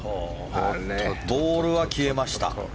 ボールは消えました。